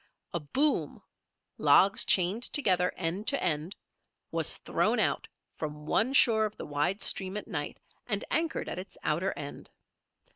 A "boom", logs chained together, end to end, was thrown out from one shore of the wide stream at night, and anchored at its outer end.